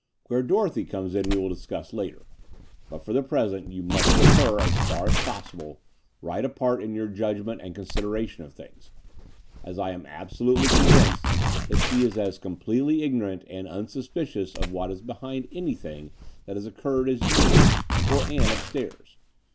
Where Dorothy comes in we will discuss later: but for the present you must put her, as far as possible, right apart in your judgment and consideration of things, as I am absolutely convinced that she is as completely ignorant and unsuspicious of what is behind anything that has occurred as you are — or Ann upstairs.